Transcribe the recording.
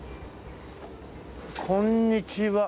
こんにちは。